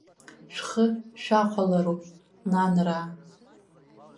Шәхы шәахәалароуп, нанраа.